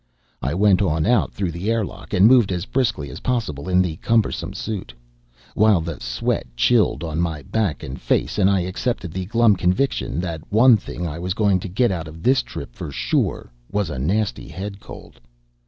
I went on out through the airlock, and moved as briskly as possible in the cumbersome suit, while the sweat chilled on my back and face, and I accepted the glum conviction that one thing I was going to get out of this trip for sure was a nasty head cold.